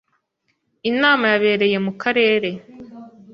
Inama yabereye mu karere